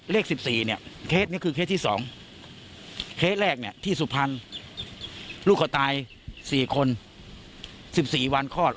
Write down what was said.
เลข๑๔เนี่ยเคสนี้คือเคสที่๒เคสแรกเนี่ยที่สุพรรณลูกเขาตาย๔คน๑๔วันคลอด